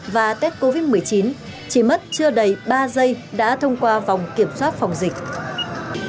và tết covid một mươi chín chỉ mất chưa đầy ba giây đã thông qua vòng kiểm soát phòng dịch